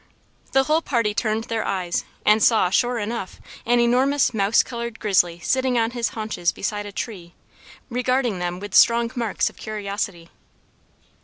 The whole party turned their eyes, and saw, sure enough, an enormous mouse colored grizzly sitting on his haunches beside a tree, regarding them with strong marks of curiosity.